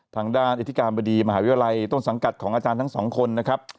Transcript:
ทางด้านอธิการบดีมหาวิทยาลัยต้นสังกัดของอาจารย์ทั้งสองคนนะครับ